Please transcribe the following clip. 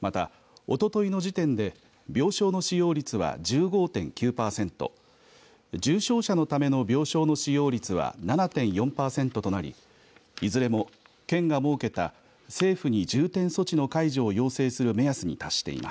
また、おとといの時点で病床の使用率は１５．９パーセント重症者のための病床の使用率は７．４パーセントとなりいずれも県が設けた政府に重点措置の解除を要請する目安に達しています。